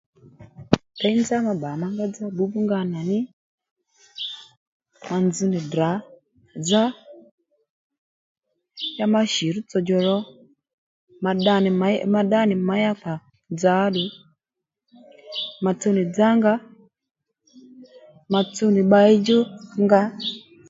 Děy nzá ma bbà ma nga dza bbǔwbbúw nga nà ní ma nzz nì Ddrà dzá ya ma shì rútsò djò ro ma ddá nì mèyá kpà rútsò djò dzá óddù ma tsuw nì dzá nga ma tsuw nì bbay djú nga